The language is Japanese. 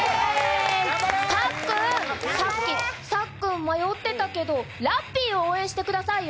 さっくん、さっき、さっくん迷ってたけどラッピーを応援してくださいよ。